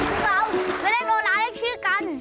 ตุ๊กตาวไปเล่นโดนร้ายที่กัน